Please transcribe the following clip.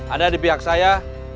ada di pihak saya